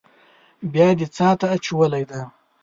بيا دې څاه ته اچولې ده.